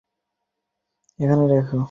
এটা এখানে রাখো।